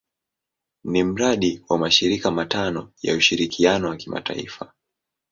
Ni mradi wa mashirika matano ya ushirikiano wa kimataifa.